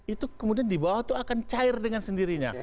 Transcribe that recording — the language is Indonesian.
itu kemudian di bawah itu akan cair dengan sendirinya